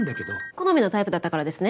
好みのタイプだったからですね。